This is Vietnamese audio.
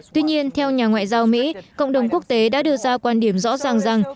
tuy nhiên theo nhà ngoại giao mỹ cộng đồng quốc tế đã đưa ra quan điểm rõ ràng rằng